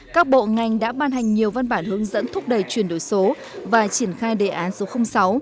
các bộ ngành đã ban hành nhiều văn bản hướng dẫn thúc đẩy chuyển đổi số và triển khai đề án số sáu